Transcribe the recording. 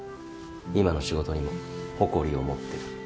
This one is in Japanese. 今の仕事にも誇りを持ってる。